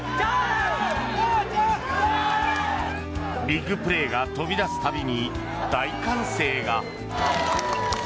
ビッグプレーが飛び出す度に大歓声が。